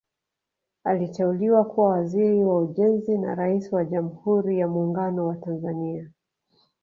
Aliteuliwa kuwa Waziri wa Ujenzi na Rais wa Jamhuri ya Muungano wa Tanzania